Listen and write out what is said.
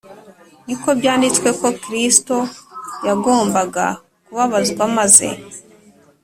ni ko byanditswe ko Kristo yagombaga kubabazwa maze